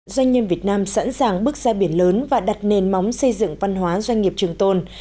doanh nhân việt nam sẵn sàng bước ra biển lớn và đặt nền móng xây dựng văn hóa doanh nghiệp trường tôn